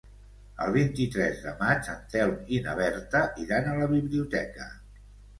El vint-i-tres de maig en Telm i na Berta iran a la biblioteca.